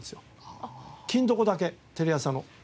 『欽どこ』だけテレ朝の。